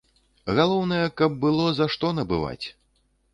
Галоўнае, каб было, за што набываць!